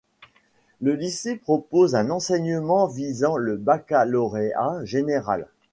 Le lycée propose un enseignement visant le baccalauréat général.